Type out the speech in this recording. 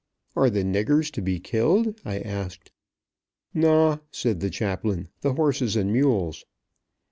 "Are the niggers to be killed?" I asked. "Naw," said the chaplain. "The horses and mules."